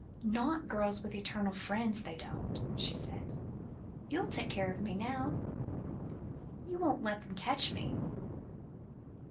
"Not girls with eternal friends, they don't," she said. "You'll take care of me now? You won't let them catch me?"